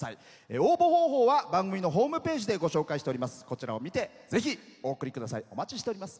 応募方法は番組のホームページでご紹介しております。